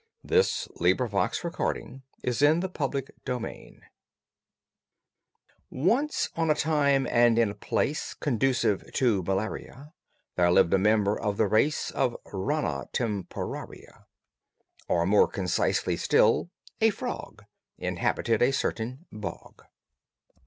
THE ARROGANT FROG AND THE SUPERIOR BULL Once, on a time and in a place Conducive to malaria, There lived a member of the race Of Rana Temporaria; Or, more concisely still, a frog Inhabited a certain bog.